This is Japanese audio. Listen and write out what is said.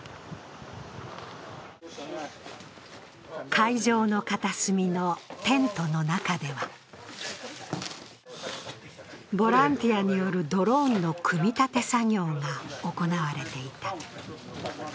会場の片隅のテントの中ではボランティアによるドローンの組み立て作業が行われていた。